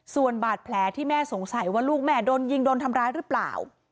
ส่วนบาดแผลที่แม่สงสัยว่าลูกแม่โดนยิงโดนทำร้ายหรือเปล่า